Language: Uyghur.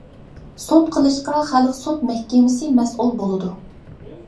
سوت قىلىشقا خەلق سوت مەھكىمىسى مەسئۇل بولىدۇ.